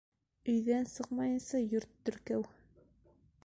Өйҙән сыҡмайынса йорт теркәү